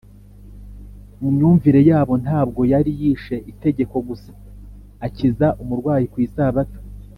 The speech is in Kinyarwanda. Mu myumvire yabo, ntabwo yari yishe itegeko gusa akiza umurwayi ku Isabato